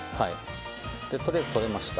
とりあえずとれました。